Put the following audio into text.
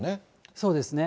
そうですね。